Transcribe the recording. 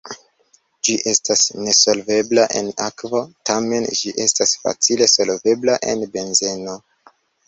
Ĝi estas nesolvebla en akvo, tamen ĝi estas facile solvebla en benzeno.